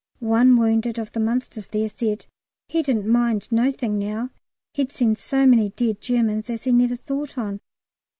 One wounded of the Munsters there said he didn't mind nothink now, he'd seen so many dead Germans as he never thought on.